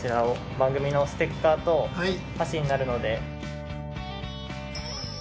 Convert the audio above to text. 番組のステッカーと箸になるので。